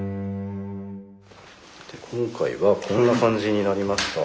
今回はこんな感じになりました。